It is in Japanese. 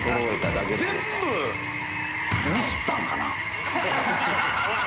全部、ミスったんかな？